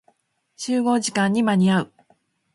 集合時間に間に合う。